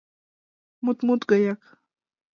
Мут - мут гаяк...